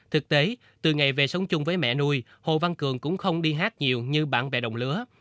thực tế từ ngày về sống chung với mẹ nuôi hồ văn cường cũng không đi hát nhiều như bạn bè đồng lứa